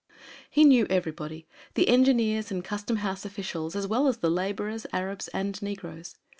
He knew everybody the engineers and custom house officials as well as the laborers, Arabs and negroes.